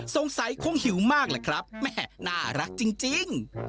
สงสัยคงหิวมากแหละครับแม่น่ารักจริง